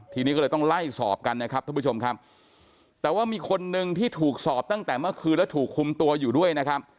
ทีนี้ก็เลยต้องไล่สอบกันนะครับท่านผู้ชมครับแต่ว่ามีคนนึงที่ถูกสอบตั้งแต่เมื่อคืนแล้วถูกคุมตัวอยู่ด้วยนะครับ